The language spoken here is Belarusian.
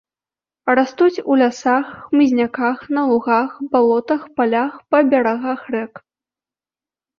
Растуць у лясах, хмызняках, на лугах, балотах, палях, па берагах рэк.